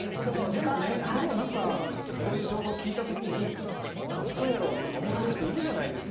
でもねでも何かこういう情報を聞いた時に「そんなんウソやろ」とか思ってる人いるじゃないですか。